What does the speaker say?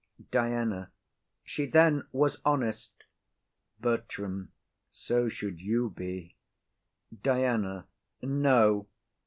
DIANA. She then was honest. BERTRAM. So should you be. DIANA. No.